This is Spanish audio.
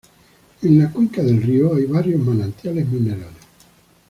En la cuenca del río hay varios manantiales minerales.